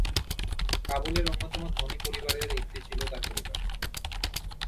কাবুলের অন্যতম ধনী পরিবারের একটি ছিল তার পরিবার।